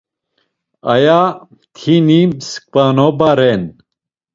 Aya mtini mskvanoba ren.